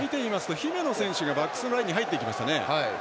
姫野選手がバックスのラインに入ってきましたね。